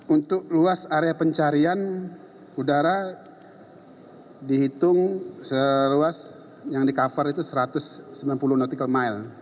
untuk luas area pencarian udara dihitung seluas yang di cover itu satu ratus sembilan puluh nautical mile